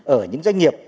ở những doanh nghiệp